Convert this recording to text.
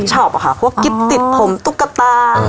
กิฟต์ชอปค่ะกิฟต์ติดผมตุ๊กตา